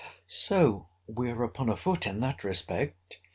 So we are upon a foot in that respect.